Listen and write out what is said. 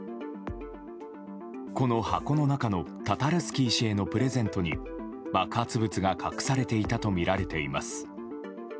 この箱の中のタタルスキー氏へのプレゼントに爆発物が隠されていたとみられています。